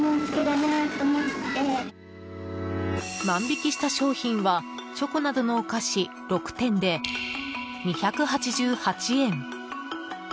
万引きした商品はチョコなどのお菓子６点で２８８円。